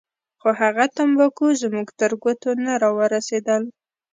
خو هغه تمباکو زموږ تر ګوتو نه راورسېدل.